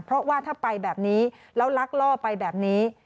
เพราะว่าถ้าไปแบบนี้แล้วลักล่อไปแบบนี้